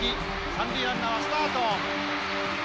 三塁ランナーはスタート！